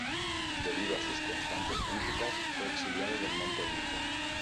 Debido a sus constantes críticas, fue exiliado del Monte Olimpo.